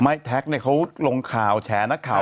แท็กเนี่ยเขาลงข่าวแฉนักข่าว